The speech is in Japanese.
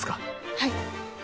はい。